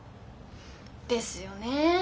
ですよねえ。